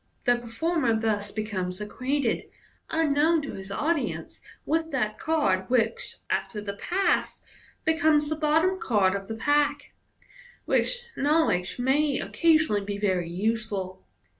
The per former thus becomes ac quainted, unknown to his audience, with that card which, after the pass, be comes the bottom card of the pack; which know ledge may occasionally be very useful.